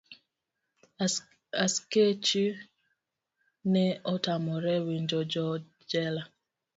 askeche ne otamre winjo jojela.